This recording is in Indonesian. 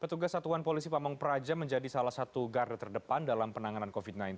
petugas satuan polisi pamung praja menjadi salah satu garda terdepan dalam penanganan covid sembilan belas